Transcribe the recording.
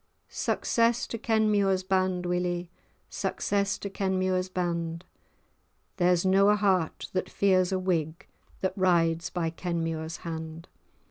Success to Kenmure's band, Willie! Success to Kenmure's band! There's no a heart that fears a Whig, That rides by Kenmure's hand.